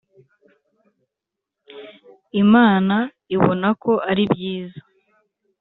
Imana ibona ko ari byiza